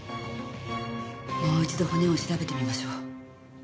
もう一度骨を調べてみましょう。